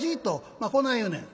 まあこない言うねん」。